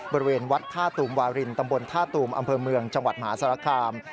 บริเวณวัดท่าตูมวารินตำบลท่าตูมอำเภอเมืองจังหวัดมหาสารคาม